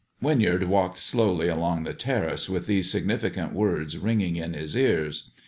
Winyard walked slowly along the terrace with these significant words ringing in his ears.